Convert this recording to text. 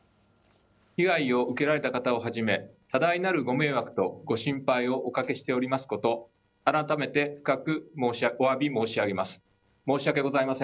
被害を受けられた方をはじめ、多大なるご迷惑とご心配をおかけしておりますこと、改めて深くおわび申し上げます。